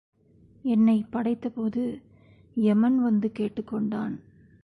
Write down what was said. என்னைப் படைத்த போது எமன் வந்து கேட்டுக் கொண்டான்.